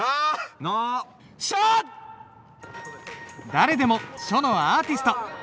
誰でも書のアーティスト。